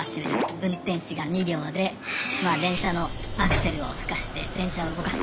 運転士が２秒で電車のアクセルをふかして電車を動かす。